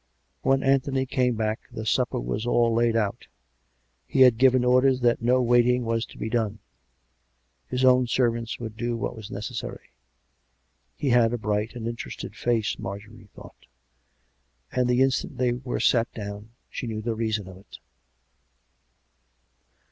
... When Anthony came back, the supper was' all laid out. He had given orders that no waiting was to be done; his own servants would do what was necessary. He had a bright and interested face, Marjorie thought; and the in stant they were sat down, she knew the reason of it.